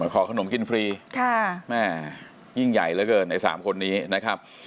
ขอขนมกินฟรีแม่ยิ่งใหญ่เหลือเกินใน๓คนนี้นะครับ